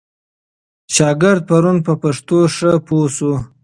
شاګرد پرون په پښتو ښه پوه سو.